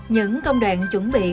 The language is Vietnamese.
những công đoạn chuẩn bị quan trọng